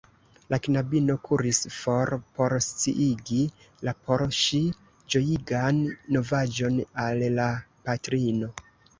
La knabino kuris for por sciigi la por ŝi ĝojigan novaĵon al la patrino.